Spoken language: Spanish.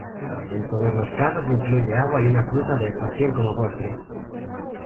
En todos los casos, incluye agua y una fruta de estación como postre.